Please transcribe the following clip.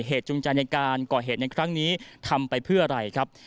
จูงใจในการก่อเหตุในครั้งนี้ทำไปเพื่ออะไรครับ